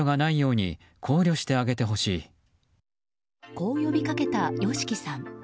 こう呼びかけたＹＯＳＨＩＫＩさん。